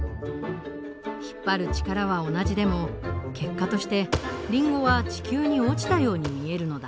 引っ張る力は同じでも結果としてリンゴは地球に落ちたように見えるのだ。